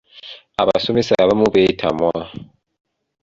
Abasomesa abamu beetamwa.